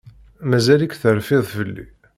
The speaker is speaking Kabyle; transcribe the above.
Mazal-ik terfiḍ fell-i?